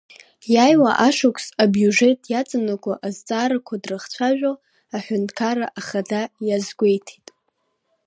Иааиуа ашықәс абиуџьет иаҵанакуа азҵаарақәа дрыхцәажәо, Аҳәынҭқарра Ахада иазгәеиҭеит…